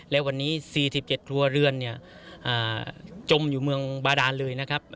และวันนี้๔๗ครัวเรือนเนี่ยจมอยู่เมืองบาดานเลยนะครับ